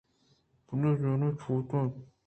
بِہ زاں چات ءَ اَت